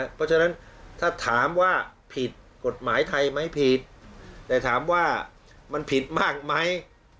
เพราะฉะนั้นถ้าถามว่าผิดกฎหมายไทยไหมผิดแต่ถามว่ามันผิดมากไหม